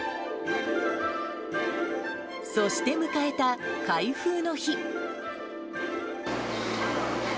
そして迎えた開封の日。